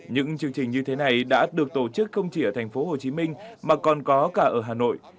những chương trình như thế này đã được tổ chức không chỉ ở thành phố hồ chí minh mà còn có cả ở hà nội